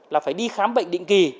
là phải đi khám bệnh định kỳ